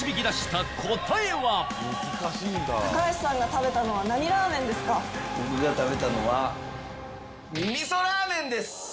高橋が僕が食べたのはみそラーメンです。